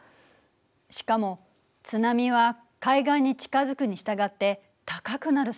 しかも津波は海岸に近づくにしたがって高くなる性質があるの。